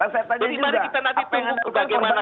jadi mari kita nanti tengok bagaimana